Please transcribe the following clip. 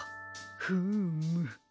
フーム。